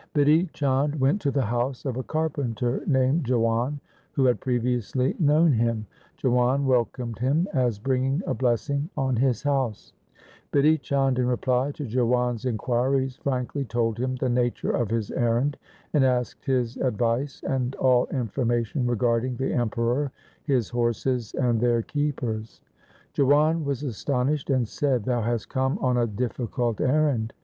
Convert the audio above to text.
Bidhi Chand went to the house of a carpenter named Jiwan who had previously known him. Jiwan welcomed him as bringing a blessing on his house. Bidhi Chand in reply to Jiwan's inquiries frankly told him the nature of his errand, and asked his advice, and all information regarding the Emperor, his horses, and their keepers. Jiwan was astonished and said, ' Thou hast come on a difficult errand.